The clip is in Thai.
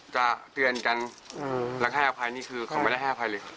จะเตือนกันอ๋อหลังแห้ไอภัยนี่คือเขาไม่ได้ให้ไอภัยเลย